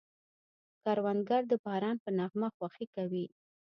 کروندګر د باران په نغمه خوښي کوي